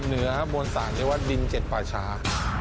เหนือมวลสารเรียกว่าดินเจ็ดป่าชา